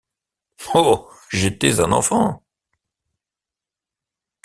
Oh! j’étais un enfant.